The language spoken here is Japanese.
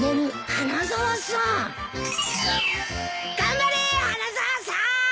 花沢さーん！